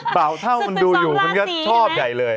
เบาเท่ามันดูอยู่มันก็ชอบใหญ่เลย